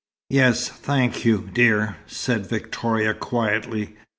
"Yes, thank you, dear," said Victoria quietly.